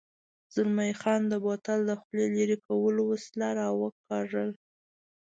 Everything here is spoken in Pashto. زلمی خان د بوتل د خولې لرې کولو وسیله را وکاږل.